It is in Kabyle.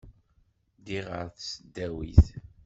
Ddiɣ ɣer tesdawit.